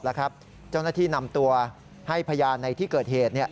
แล้วครับเจ้าหน้าที่นำตัวให้พญานในที่เกิดเหตุเนี่ย